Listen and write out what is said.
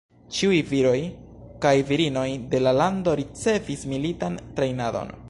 Ĉiuj viroj kaj virinoj de la lando ricevis militan trejnadon.